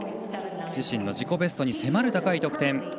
自身の自己ベストに迫る高い得点。